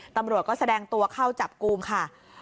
ตำรวจก็แสดงตัวเข้าจับกลุ่มค่ะ